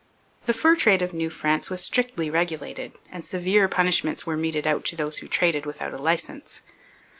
The fur trade of New France was strictly regulated, and severe punishments were meted out to those who traded without a licence.